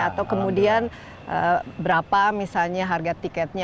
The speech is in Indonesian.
atau kemudian berapa misalnya harga tiketnya